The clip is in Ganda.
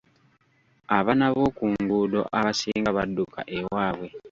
Abaana b'oku nguudo abasinga badduka ewaabwe.